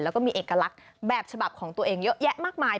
แล้วก็มีเอกลักษณ์แบบฉบับของตัวเองเยอะแยะมากมาย